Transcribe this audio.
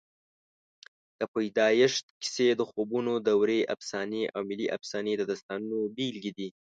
د پیدایښت کیسې، د خوبونو دورې افسانې او ملي افسانې د داستانونو بېلګې دي.